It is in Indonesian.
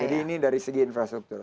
jadi ini dari segi infrastruktur